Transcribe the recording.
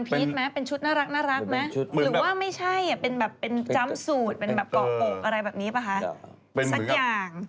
เป็นแบบเป็นชุดน่ารักมั้ยหรือว่าไม่ใช่เป็นจั๊มป์สูตรเป็นเกาะปกอะไรแบบนี้ป่ะคะสักอย่าง